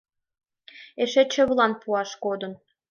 Эше чывылан пуаш кодын.